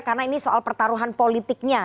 karena ini soal pertaruhan politiknya